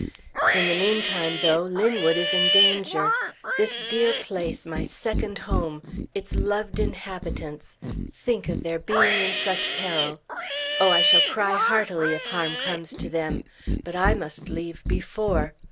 In the mean time, though, Linwood is in danger. This dear place, my second home; its loved inhabitants; think of their being in such peril! Oh, I shall cry heartily if harm comes to them! But I must leave before.